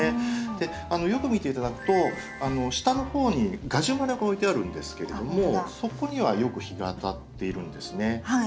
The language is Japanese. よく見て頂くと下の方にガジュマルが置いてあるんですけれどもそこにはよく日が当たっているんですね。